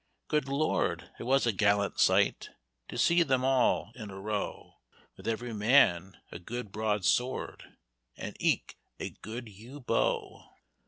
"Good lord! it was a gallant sight To see them all In a row; With every man a good broad sword And eke a good yew bow."